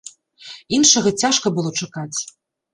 Іншага цяжка было чакаць.